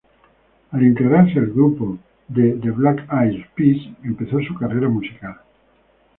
Al integrarse al grupo de The Black Eyed Peas empezó su carrera musical.